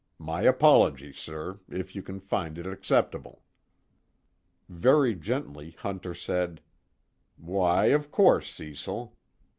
My apology, sir, if you can find it acceptable." Very gently, Hunter said: "Why, of course, Cecil."